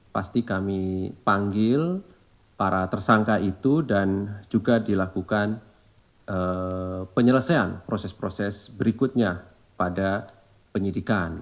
pasti kami panggil para tersangka itu dan juga dilakukan penyelesaian proses proses berikutnya pada penyidikan